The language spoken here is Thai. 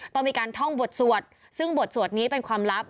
ต้องมีการท่องบทสวดซึ่งบทสวดนี้เป็นความลับ